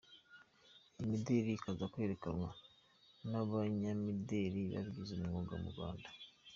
Iyi mideli ikaza kwerekanwa n’abanyamideli babigize umwuga mu Rwanda.